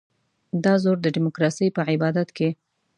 دا زور د ډیموکراسۍ په عبادت کې.